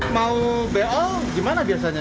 mau beol gimana biasanya